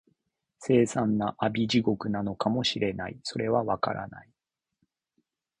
凄惨な阿鼻地獄なのかも知れない、それは、わからない